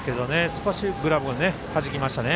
少しグラブをはじきましたね。